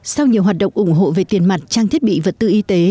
sau nhiều hoạt động ủng hộ về tiền mặt trang thiết bị vật tư y tế